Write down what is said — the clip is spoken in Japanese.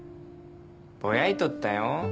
ぼやいとったよ